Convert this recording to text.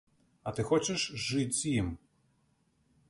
А ты хочаш жыць з ім!